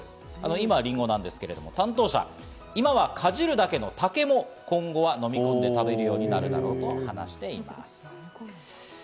今リンゴなんですけれども、担当者、今はかじるだけのタケも今後は飲み込んで食べるようになるだろうと話しています。